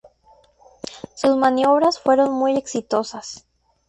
Sus maniobras fueron muy exitosas.